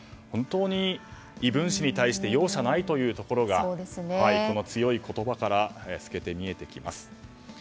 本当に異分子に対して容赦ないというところがこの強い言葉から透けて見えてきます。